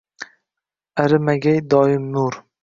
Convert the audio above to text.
Arimagay doim nur.